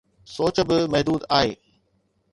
سوچ به محدود آهي.